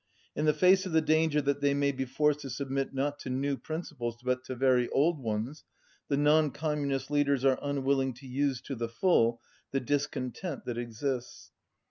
In the face of the danger that they may be forced to submit not to new principles but to very old ones, the non Communist leaders are un willing to use to the full the discontent that exists.